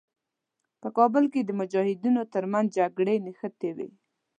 په کابل کې د مجاهدینو تر منځ جګړې نښتې وې.